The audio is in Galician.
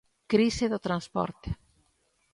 Crise do transporte.